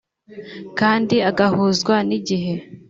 kandi agahuzwa n’igihe